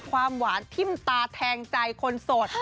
ความหวานทิ้มตาแทงใจคนโสด